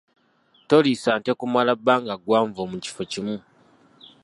Toliisa nte kumala bbanga ggwanvu mu kifo kimu.